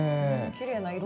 きれいな色。